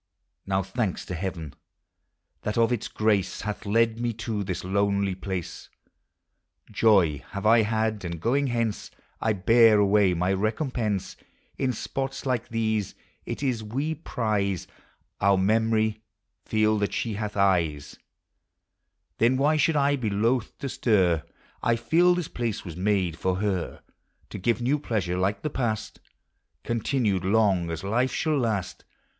Now thanks to Heaven! that of its grace Hath led me to this lonely place; Joy have I had; and going hence T bear away my recompense. In spots like these it is we prize Our Memory, feel that she hath eyes: YOUTH 211) Then why should I be loath to stir? 1 feel this place was made for her; To give new pleasure like the past, Continued long as life shall last.